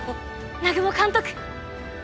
南雲監督